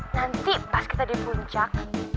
nanti pas kita di puncak